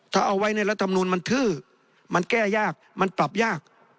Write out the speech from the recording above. ถ้าเอาไว้ในรัฐมนุนมันทื้อมันแก้ยากมันปรับยาก